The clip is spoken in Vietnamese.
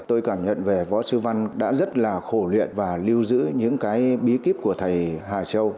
tôi cảm nhận về võ sư văn đã rất là khổ luyện và lưu giữ những cái bí kíp của thầy hà châu